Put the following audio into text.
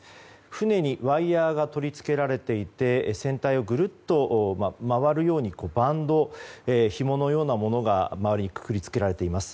船にワイヤが取り付けられていて船体をぐるっと回るようにバンドひものようなものが周りにくくりつけられています。